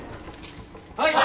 はい。